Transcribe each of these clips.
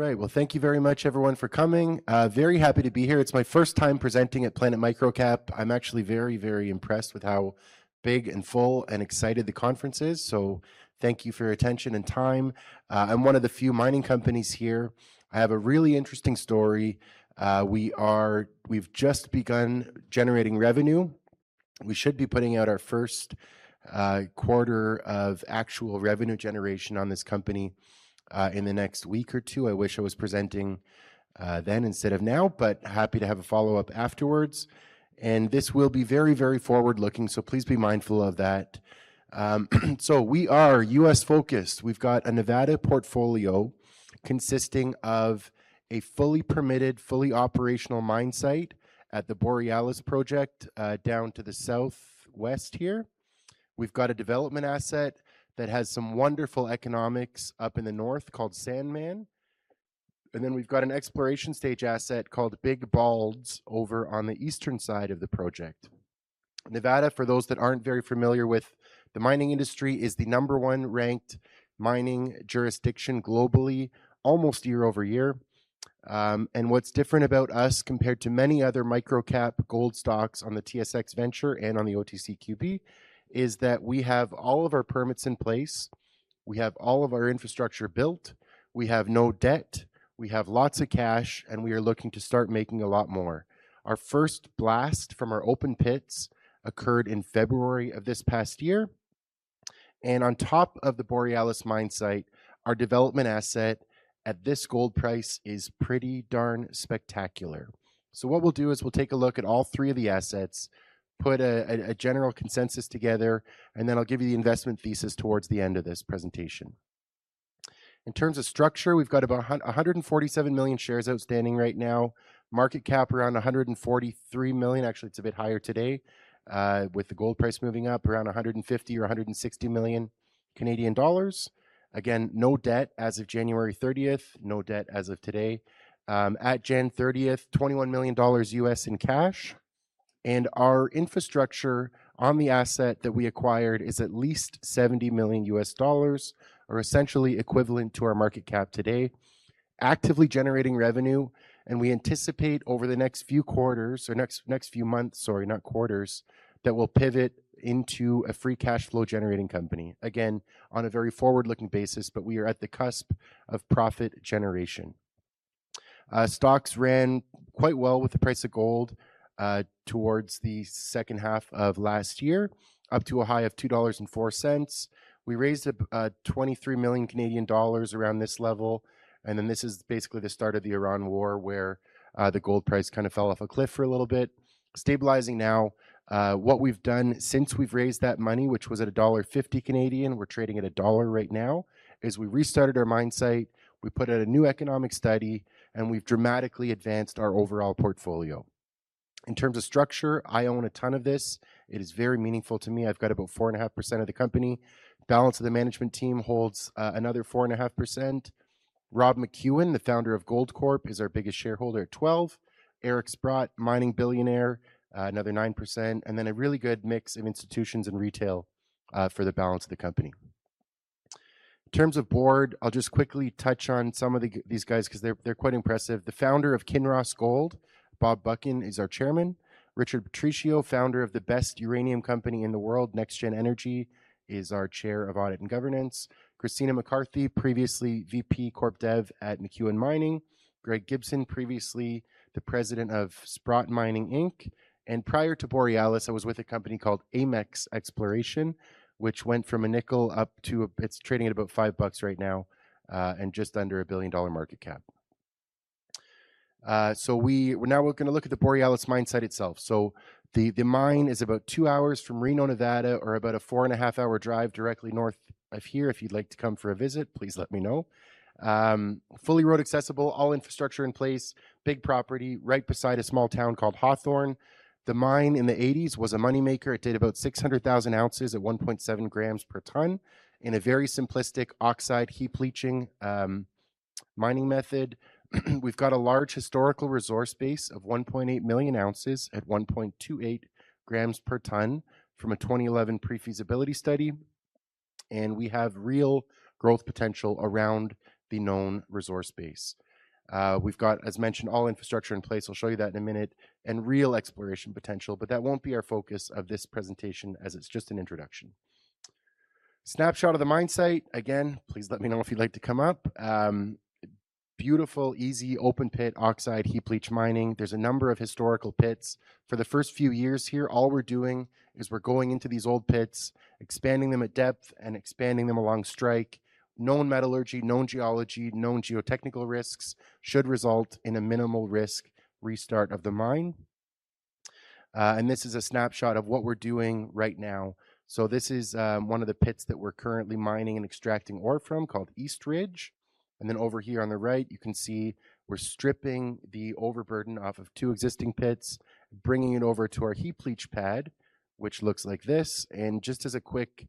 All right. Well, thank you very much everyone for coming. Very happy to be here. It's my first time presenting at Planet MicroCap. I'm actually very impressed with how big and full and excited the conference is. Thank you for your attention and time. I'm one of the few mining companies here. I have a really interesting story. We've just begun generating revenue. We should be putting out our first quarter of actual revenue generation on this company, in the next week or two. I wish I was presenting then instead of now, but happy to have a follow-up afterwards. This will be very forward-looking, so please be mindful of that. We are U.S.-focused. We've got a Nevada portfolio consisting of a fully permitted, fully operational mine site at the Borealis project, down to the southwest here. We've got a development asset that has some wonderful economics up in the north called Sandman. We've got an exploration stage asset called Big Balds over on the eastern side of the project. Nevada, for those that aren't very familiar with the mining industry, is the number one ranked mining jurisdiction globally almost year-over-year. What's different about us compared to many other microcap gold stocks on the TSX Venture and on the OTCQB, is that we have all of our permits in place, we have all of our infrastructure built, we have no debt, we have lots of cash, and we are looking to start making a lot more. Our first blast from our open pits occurred in February of this past year. On top of the Borealis mine site, our development asset at this gold price is pretty darn spectacular. What we'll do is we'll take a look at all three of the assets, put a general consensus together, then I'll give you the investment thesis towards the end of this presentation. In terms of structure, we've got about 147 million shares outstanding right now. Market cap around 143 million. Actually, it's a bit higher today, with the gold price moving up around 150 million or 160 million Canadian dollars. Again, no debt as of January 30th. No debt as of today. At January 30th, $21 million in cash. Our infrastructure on the asset that we acquired is at least $70 million, or essentially equivalent to our market cap today. Actively generating revenue and we anticipate over the next few months that we'll pivot into a free cash flow generating company, again, on a very forward-looking basis, but we are at the cusp of profit generation. Stocks ran quite well with the price of gold, towards the second half of last year, up to a high of 2.04 dollars. We raised up 23 million Canadian dollars around this level, this is basically the start of the Iran war, where the gold price fell off a cliff for a little bit. Stabilizing now. What we've done since we've raised that money, which was at a dollar 1.50, we're trading at a CAD 1 right now, is we restarted our mine site, we put out a new economic study, and we've dramatically advanced our overall portfolio. In terms of structure, I own a ton of this. It is very meaningful to me. I've got about 4.5% of the company. Balance of the management team holds another 4.5%. Rob McEwen, the founder of Goldcorp, is our biggest shareholder at 12%. Eric Sprott, mining billionaire, another 9%. Then a really good mix of institutions and retail, for the balance of the company. In terms of board, I'll just quickly touch on some of these guys because they're quite impressive. The founder of Kinross Gold, Bob Buchan, is our Chairman. Richard Patricio, founder of the best uranium company in the world, NexGen Energy, is our Chair of Audit and Governance. Christina McCarthy, previously VP Corp Dev at McEwen Mining. Greg Gibson, previously the President of Sprott Mining Inc and prior to Borealis, I was with a company called Amex Exploration, which went from a nickel up to. It's trading at about 5 bucks right now, and just under a 1 billion dollar market cap. Now we're going to look at the Borealis mine site itself. The mine is about two hours from Reno, Nevada, or about a four and a half-hour drive directly north of here. If you'd like to come for a visit, please let me know. Fully road accessible, all infrastructure in place. Big property right beside a small town called Hawthorne. The mine in the 1980s was a money maker. It did about 600,000 oz at 1.7 g per tonne in a very simplistic oxide heap leach mining method. We've got a large historical resource base of 1.8 million ounces at 1.28 g per tonne from a 2011 pre-feasibility study, and we have real growth potential around the known resource base. We've got, as mentioned, all infrastructure in place, I'll show you that in a minute, and real exploration potential, but that won't be our focus of this presentation as it's just an introduction. Snapshot of the mine site. Again, please let me know if you'd like to come up. Beautiful, easy open pit oxide heap leach mining. There's a number of historical pits. For the first few years here, all we're doing is we're going into these old pits, expanding them at depth and expanding them along strike. Known metallurgy, known geology, known geotechnical risks should result in a minimal risk restart of the mine. This is a snapshot of what we're doing right now. This is one of the pits that we're currently mining and extracting ore from called East Ridge. Then over here on the right, you can see we're stripping the overburden off of two existing pits, bringing it over to our heap leach pad, which looks like this. Just as a quick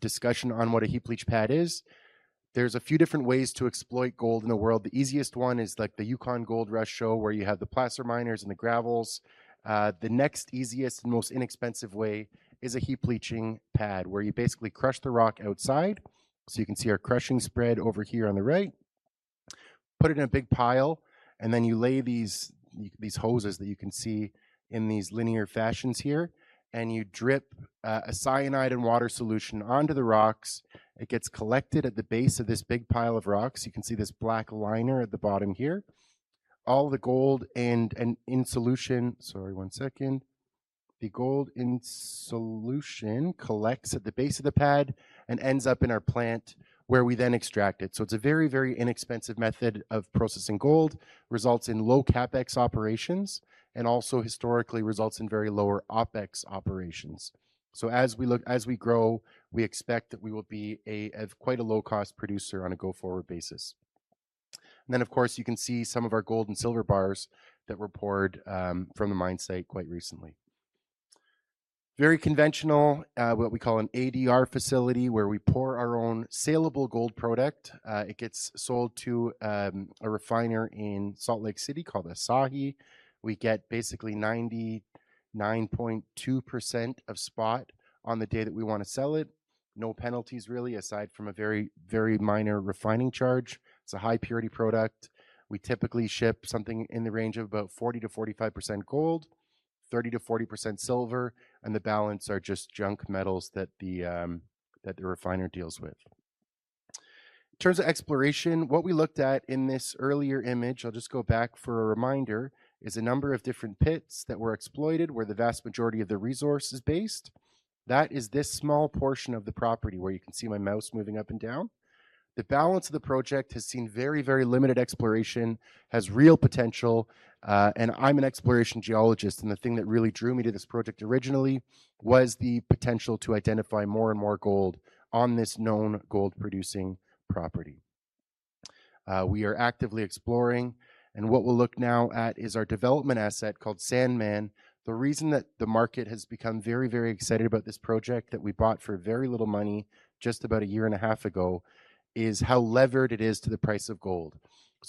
discussion on what a heap leach pad is. There's a few different ways to exploit gold in the world. The easiest one is the Yukon Gold Rush show, where you have the placer miners and the gravels. The next easiest and most inexpensive way is a heap leach pad, where you basically crush the rock outside. You can see our crushing spread over here on the right. Put it in a big pile, then you lay these hoses that you can see in these linear fashions here, and you drip a cyanide and water solution onto the rocks. It gets collected at the base of this big pile of rocks. You can see this black liner at the bottom here. The gold in solution collects at the base of the pad and ends up in our plant, where we then extract it. It's a very, very inexpensive method of processing gold, results in low CapEx operations, and also historically results in very lower OpEx operations. As we grow, we expect that we will be quite a low-cost producer on a go-forward basis. Of course, you can see some of our gold and silver bars that were poured from the mine site quite recently. Very conventional, what we call an ADR facility, where we pour our own saleable gold product. It gets sold to a refiner in Salt Lake City called Asahi. We get basically 99.2% of spot on the day that we want to sell it. No penalties, really, aside from a very minor refining charge. It's a high-purity product. We typically ship something in the range of about 40%-45% gold, 30%-40% silver, and the balance are just junk metals that the refiner deals with. In terms of exploration, what we looked at in this earlier image, I'll just go back for a reminder, is a number of different pits that were exploited where the vast majority of the resource is based. That is this small portion of the property where you can see my mouse moving up and down. The balance of the project has seen very limited exploration, has real potential. I'm an exploration geologist, and the thing that really drew me to this project originally was the potential to identify more and more gold on this known gold-producing property. We are actively exploring, and what we'll look now at is our development asset called Sandman. The reason that the market has become very excited about this project that we bought for very little money just about a year and a half ago, is how levered it is to the price of gold.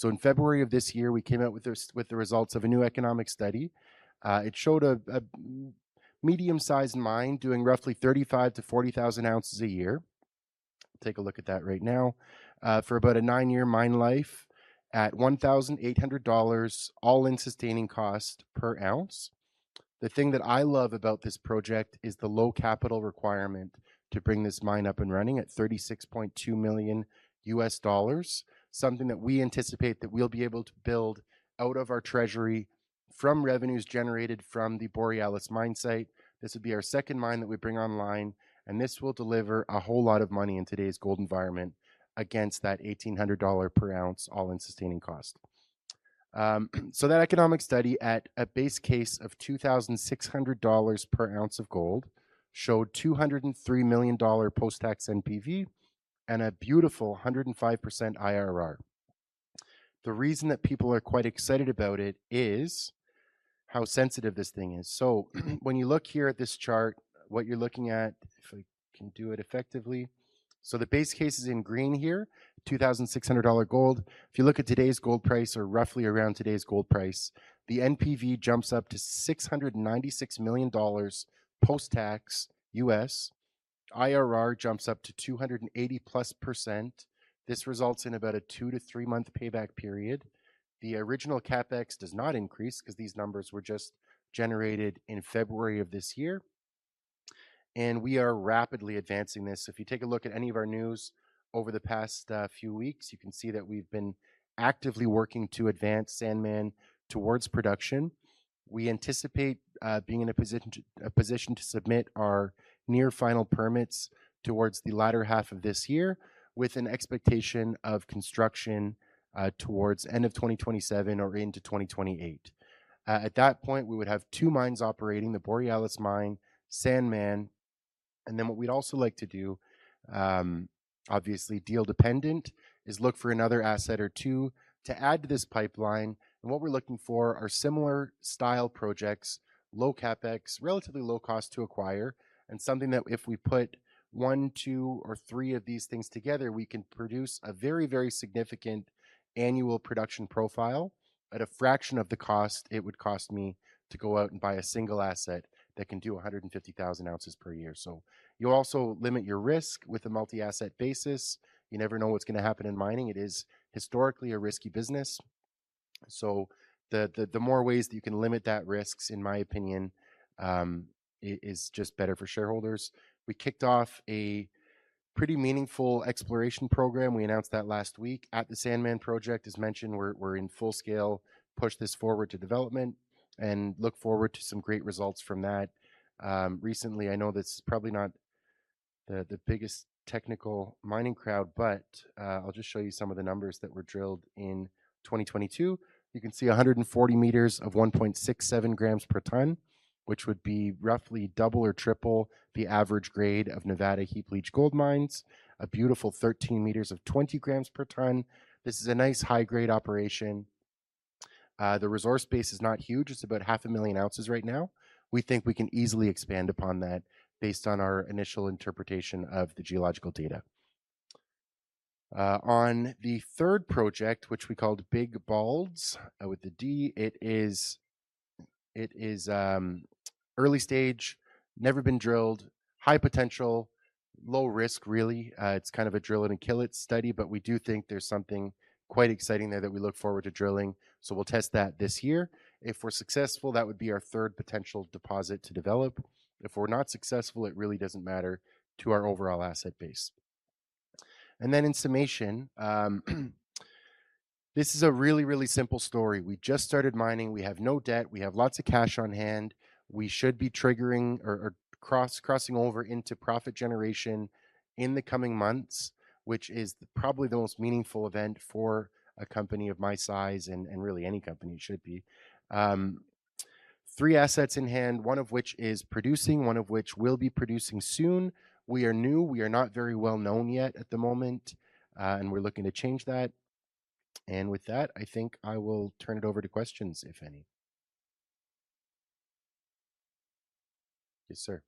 In February of this year, we came out with the results of a new economic study. It showed a medium-sized mine doing roughly 35,000 oz-40,000 oz a year. Take a look at that right now. For about a nine-year mine life at 1,800 dollars all-in sustaining cost per ounce. The thing that I love about this project is the low capital requirement to bring this mine up and running at $36.2 million, something that we anticipate that we'll be able to build out of our treasury from revenues generated from the Borealis mine site. This would be our second mine that we bring online, and this will deliver a whole lot of money in today's gold environment against that 1,800 dollar per ounce all-in sustaining cost. That economic study at a base case of 2,600 dollars per ounce of gold, showed 203 million dollar post-tax NPV and a beautiful 105% IRR. The reason that people are quite excited about it is how sensitive this thing is. When you look here at this chart, what you're looking at, if I can do it effectively. The base case is in green here, 2,600 dollar gold. If you look at today's gold price or roughly around today's gold price, the NPV jumps up to $696 million post-tax US. IRR jumps up to 280+%. This results in about a two to three-month payback period. The original CapEx does not increase because these numbers were just generated in February of this year. We are rapidly advancing this. If you take a look at any of our news over the past few weeks, you can see that we've been actively working to advance Sandman towards production. We anticipate being in a position to submit our near final permits towards the latter half of this year with an expectation of construction towards end of 2027 or into 2028. At that point, we would have two mines operating, the Borealis mine, Sandman, and then what we'd also like to do, obviously deal dependent, is look for another asset or two to add to this pipeline. What we're looking for are similar style projects, low CapEx, relatively low cost to acquire, and something that if we put one, two or three of these things together, we can produce a very significant annual production profile at a fraction of the cost it would cost me to go out and buy a single asset that can do 150,000 oz per year. You also limit your risk with a multi-asset basis. You never know what's going to happen in mining. It is historically a risky business. The more ways that you can limit that risks, in my opinion, is just better for shareholders. We kicked off a pretty meaningful exploration program. We announced that last week at the Sandman project. As mentioned, we're in full scale, push this forward to development and look forward to some great results from that. Recently, I know this is probably not the biggest technical mining crowd, but I'll just show you some of the numbers that were drilled in 2022. You can see 140 m of 1.67 g per tonne, which would be roughly double or triple the average grade of Nevada heap leach gold mines. A beautiful 13 m of 20 g per tonne. This is a nice high-grade operation. The resource base is not huge. It's about 500,000 oz right now. We think we can easily expand upon that based on our initial interpretation of the geological data. On the third project, which we called Big Balds with a D, it is early stage, never been drilled, high potential, low risk really. It's a drill it and kill it study, but we do think there's something quite exciting there that we look forward to drilling. We'll test that this year. If we're successful, that would be our third potential deposit to develop. If we're not successful, it really doesn't matter to our overall asset base. In summation, this is a really, really simple story. We just started mining. We have no debt. We have lots of cash on hand. We should be triggering or crossing over into profit generation in the coming months, which is probably the most meaningful event for a company of my size and really any company should be. Three assets in hand, one of which is producing, one of which will be producing soon. We are new. We are not very well-known yet at the moment, and we're looking to change that. With that, I think I will turn it over to questions, if any. Yes, sir.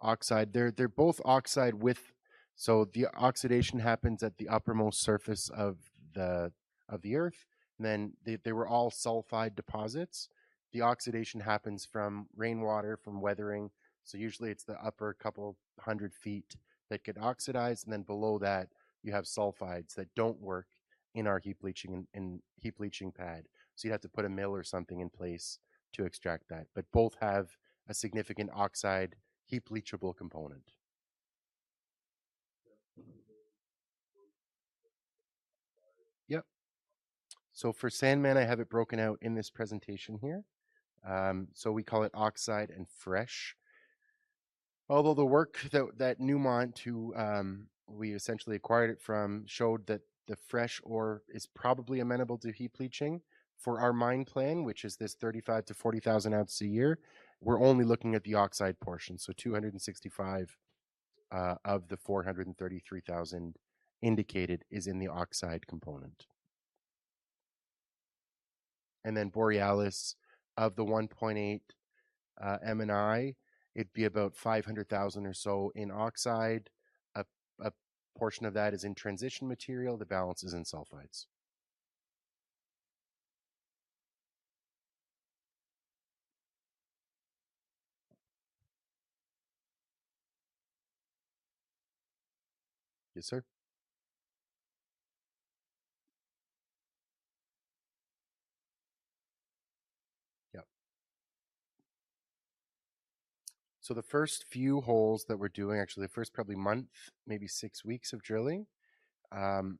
Oxide. They're both oxide. The oxidation happens at the uppermost surface of the Earth, they were all sulfide deposits. The oxidation happens from rainwater, from weathering, usually it's the upper couple hundred feet that get oxidized, and then below that you have sulfides that don't work in our heap leaching pad. You'd have to put a mill or something in place to extract that. But both have a significant oxide heap leachable component. Yep. For Sandman, I have it broken out in this presentation here. We call it oxide and fresh. Although the work that Newmont, who we essentially acquired it from, showed that the fresh ore is probably amenable to heap leaching. For our mine plan, which is this 35,000 oz-40,000 oz a year, we're only looking at the oxide portion. 265,000 of the 433,000 indicated is in the oxide component. Borealis, of the 1.8 million M&I, it'd be about 500,000 or so in oxide. A portion of that is in transition material, the balance is in sulfides. Yes, sir. Yep. The first few holes that we're doing, actually the first probably month, maybe six weeks of drilling, I've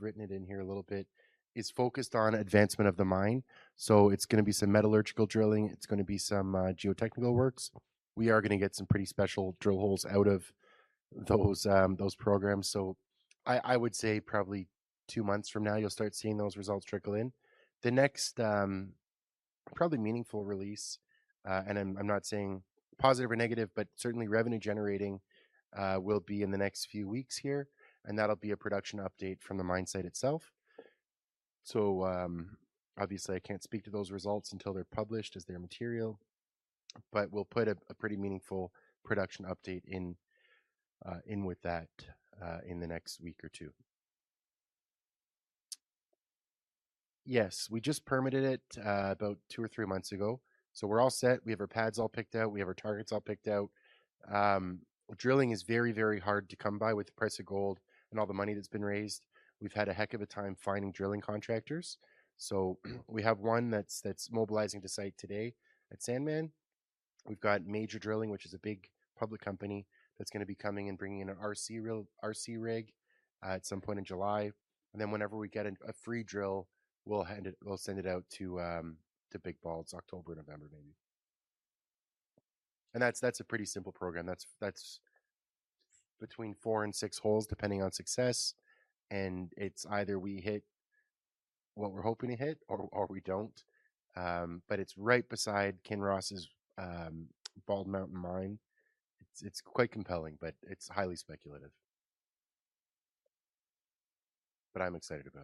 written it in here a little bit, is focused on advancement of the mine. It's going to be some metallurgical drilling. It's going to be some geotechnical works. We are going to get some pretty special drill holes out of those programs. I would say probably two months from now you'll start seeing those results trickle in. The next probably meaningful release, and I'm not saying positive or negative, but certainly revenue generating, will be in the next few weeks here, and that'll be a production update from the mine site itself. Obviously I can't speak to those results until they're published as they're material, but we'll put a pretty meaningful production update in with that, in the next week or two. Yes. We just permitted it about two or three months ago, so we're all set. We have our pads all picked out, we have our targets all picked out. Drilling is very hard to come by with the price of gold and all the money that's been raised. We've had a heck of a time finding drilling contractors. We have one that's mobilizing to site today at Sandman. We've got Major Drilling, which is a big public company that's going to be coming and bringing in an RC rig at some point in July. Whenever we get a free drill, we'll send it out to Big Balds, it's October, November maybe. That's a pretty simple program, that's between four and six holes depending on success, and it's either we hit what we're hoping to hit or we don't. It's right beside Kinross's Bald Mountain Mine. It's quite compelling, but it's highly speculative. I'm excited about it.